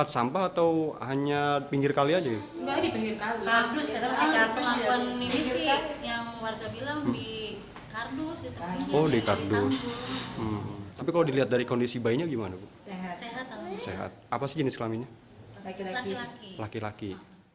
si bayinya gimana sehat apa sih jenis kelaminnya laki laki